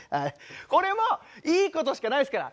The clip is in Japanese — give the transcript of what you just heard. これもいいことしかないですから。